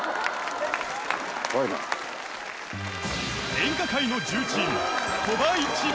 ［演歌界の重鎮］